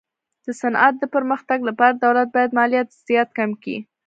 د صنعت د پرمختګ لپاره دولت باید مالیات زیات کم کي.